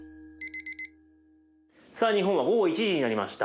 さあ日本は午後１時になりました。